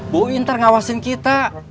bu inter ngawasin kita